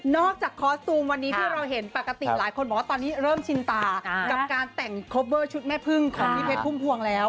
อกจากคอสตูมวันนี้ที่เราเห็นปกติหลายคนบอกว่าตอนนี้เริ่มชินตากับการแต่งคอปเวอร์ชุดแม่พึ่งของพี่เพชรพุ่มพวงแล้ว